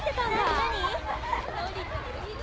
何？